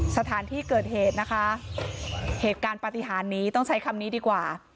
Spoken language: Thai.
สถานที่เกิดเหตุนะคะเหตุการณ์ปฏิหารนี้ต้องใช้คำนี้ดีกว่า